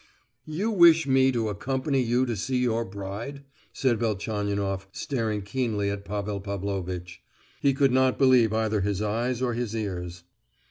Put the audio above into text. "You wish me to accompany you to see your bride?" said Velchaninoff, staring keenly at Pavel Pavlovitch; he could not believe either his eyes or his ears.